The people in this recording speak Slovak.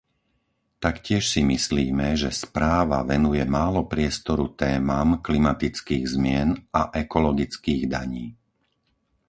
Taktiež si myslíme, že správa venuje málo priestoru témam klimatických zmien a ekologických daní.